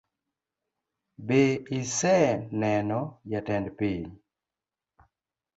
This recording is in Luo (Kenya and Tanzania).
Be ise neno jatend piny?